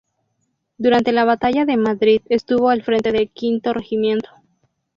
Durante la batalla de Madrid estuvo al frente del Quinto Regimiento.